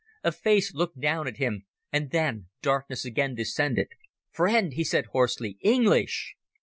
A face looked down at him, and then the darkness again descended. "Friend," he said hoarsely. "English."